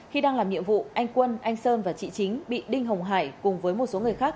khi đang làm nhiệm vụ anh quân anh sơn và chị chính bị đinh hồng hải cùng với một số người khác